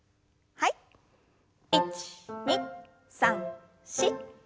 １２３４。